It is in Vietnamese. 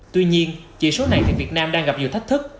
tuy nhiên chỉ số này thì việt nam đang gặp nhiều thách thức